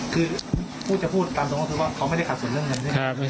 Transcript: คือพูดจะพูดตามตรงก็คือว่าเขาไม่ได้ขัดสนเรื่องเงิน